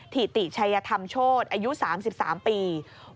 ถิติชัยธรรมโชธอายุ๓๓ปี